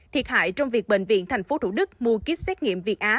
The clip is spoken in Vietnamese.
thiệt hại trong việc bệnh viện tp thủ đức mua kýt xét nghiệm việt á